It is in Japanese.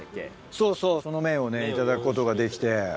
そうそうその麺をね頂くことができて。